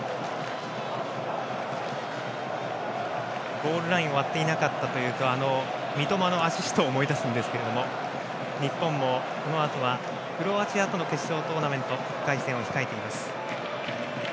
ゴールラインを割っていなかったというと三笘のアシストを思い出しますが日本もこのあとはクロアチアとの決勝トーナメントの１回戦を控えています。